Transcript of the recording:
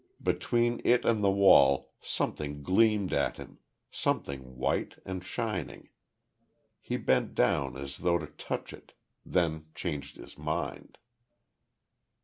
Between it and the wall something gleamed at him, something white and shining. He bent down as though to touch it, then changed his mind.